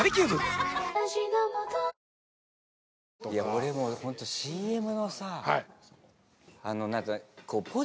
俺もホントＣＭのさ。